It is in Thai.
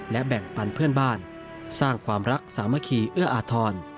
และแบ่งปันเพื่อนบ้านสร้างความรักสามัคคีเอื้ออาทร